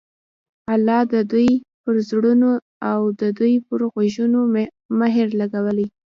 الله د دوى پر زړونو او د دوى په غوږونو مهر لګولى